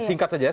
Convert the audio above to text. singkat saja ya